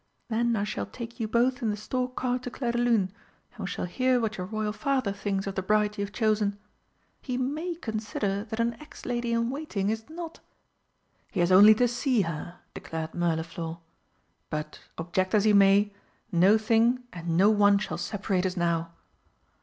Then I shall take you both in the stork car to Clairdelune, and we shall hear what your Royal father thinks of the bride you have chosen. He may consider that an ex lady in waiting is not " "He has only to see her," declared Mirliflor. "But object as he may, no thing and no one shall separate us now."